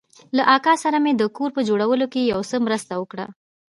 له اکا سره مې د کور په جوړولو کښې يو څه مرسته وکړه.